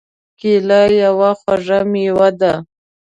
کېله یو خوږ مېوه ده.